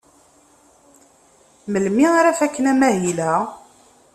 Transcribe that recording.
Melmi ara faken amahil-a?